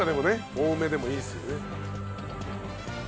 多めでもいいですよね。